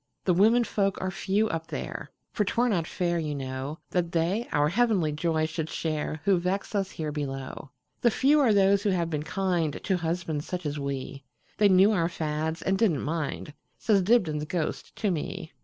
"The women folk are few up there; For 't were not fair, you know, That they our heavenly joy should shareWho vex us here below. The few are those who have been kindTo husbands such as we; They knew our fads, and did n't mind,"Says Dibdin's ghost to me.